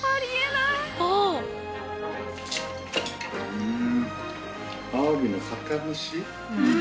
うん。